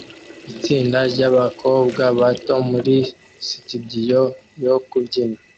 Itsinda ryabakobwa bato muri sitidiyo yo kubyina